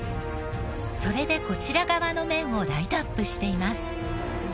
それでこちら側の面をライトアップしています。